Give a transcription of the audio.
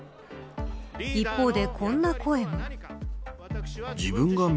一方で、こんな声も。